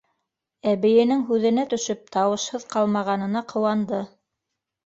Әбейенең һүҙенә төшөп, тауышһыҙ ҡалмағанына ҡыуанды.